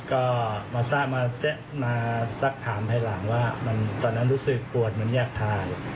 ก็มาซักถามไปหลังว่าตอนนั้นรู้สึกปวดเหมือนแยกทาย